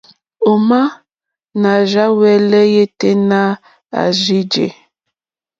Òmá nà rzá hwɛ̄lɛ̀ yêténá à rzí jè.